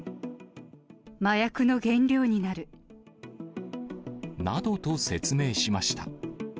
麻薬の原料になる。などと説明しました。